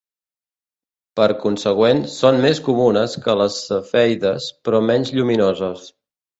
Per consegüent, són més comunes que les cefeides, però menys lluminoses.